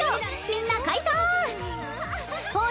みんな解散！